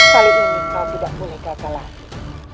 kali ini kau tidak boleh gagal lagi